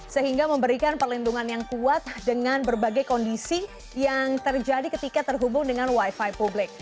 sehingga memberikan perlindungan yang kuat dengan berbagai kondisi yang terjadi ketika terhubung dengan wifi publik